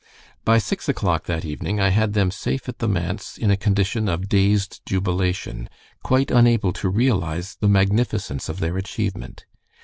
By six o'clock that evening I had them safe at the manse in a condition of dazed jubilation, quite unable to realize the magnificence of their achievement.